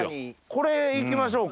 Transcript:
これいきましょうか。